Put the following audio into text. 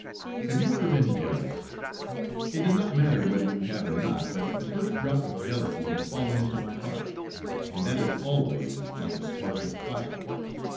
"Have you ever been jealous? It does not matter whether you have or not, but the first drop of jealousy had fallen into my heart, and that is always like a spark of fire.